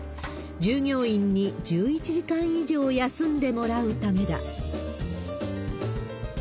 従業員に１１時間以上休んでもらうためだ。